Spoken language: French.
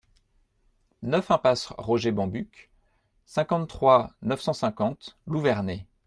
neuf impasse Roger Bambuck, cinquante-trois, neuf cent cinquante, Louverné